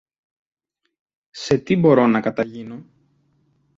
Σε τι μπορώ να καταγίνω;